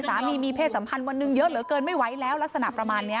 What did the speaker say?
สามีมีเพศสัมพันธ์วันหนึ่งเยอะเหลือเกินไม่ไหวแล้วลักษณะประมาณนี้